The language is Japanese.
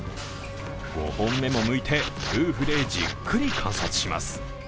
５本目もむいて、夫婦でじっくり観察します。